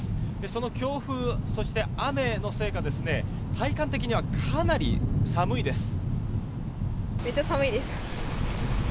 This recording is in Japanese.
その強風、そして雨のせいか体感的にはかなり寒いです。